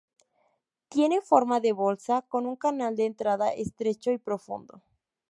Tiene forma de bolsa, con un canal de entrada estrecho y profundo.